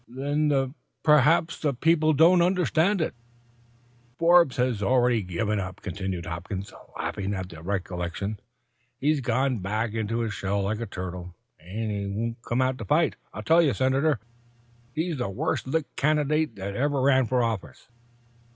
"Then perhaps the people don't understand it." "Forbes has given up already," continued Hopkins, laughing at the recollection. "He's gone back into his shell like a turtle, an' won't come out to fight. I tell you, Senator, he's the worst licked candidate that ever ran for office."